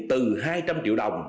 từ hai trăm linh triệu đồng